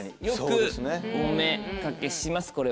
よくお見掛けします